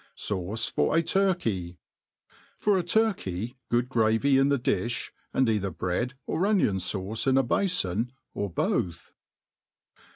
Sauce for a Turkey. FOR a turkey, good gravy in the difli, and either bread or enlbn /aucc in o^ bafon, or both.